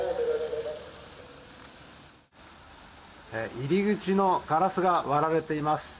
入り口のガラスが割られています。